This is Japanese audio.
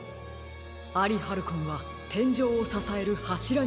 アリハルコンはてんじょうをささえるはしらになっていますね。